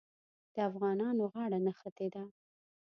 د افغانانو غاړه نښتې ده.